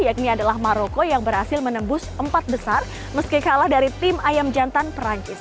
yakni adalah maroko yang berhasil menembus empat besar meski kalah dari tim ayam jantan perancis